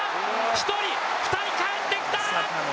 １人２人かえってきた！